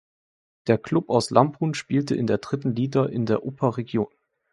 Der Club aus Lamphun spielte in der dritten Liga in der Upper Region.